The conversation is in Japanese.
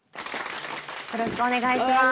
よろしくお願いします。